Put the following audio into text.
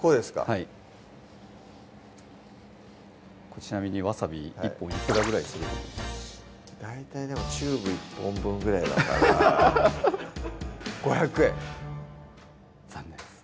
はいちなみにわさび１本いくらぐらいすると大体でもチューブ１本分ぐらいだから残念です